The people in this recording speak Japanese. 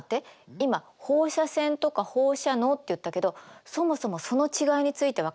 今放射線とか放射能って言ったけどそもそもその違いについて分かってるかな？